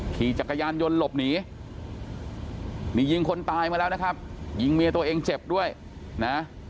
ขี่จักรยานยนต์หลบหนีนี่ยิงคนตายมาแล้วนะครับยิงเมียตัวเองเจ็บด้วยนะ